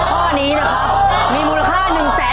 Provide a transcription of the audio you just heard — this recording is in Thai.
ถ้าถูกข้อนี้นะคะมีมูลค่า๑แสนบาท